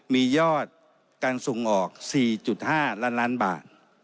มียอดการส่งออก๔๕ล้านล้านบาท